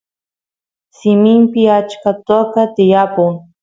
simimpi achka toqa tiyapun